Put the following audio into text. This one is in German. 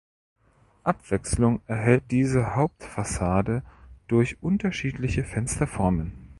Abwechslung erhält diese Hauptfassade durch unterschiedliche Fensterformen.